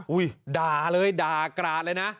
อุ๊ยดาเลยดากราศเลยนะ